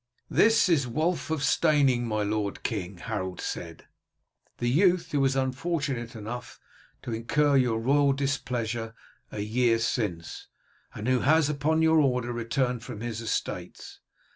"This is Wulf of Steyning, my lord king," Harold said, "the youth who was unfortunate enough to incur your royal displeasure a year since, and who has upon your order returned from his estates.